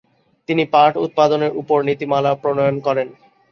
তিনি পাট উৎপাদনের ওপর নীতিমালা প্রণয়ন করেন।